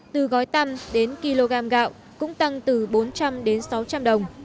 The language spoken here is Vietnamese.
từ gói tăm đến kg gạo cũng tăng từ bốn trăm linh đến sáu trăm linh đồng